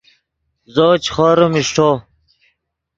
زو چے خوریم اݰٹو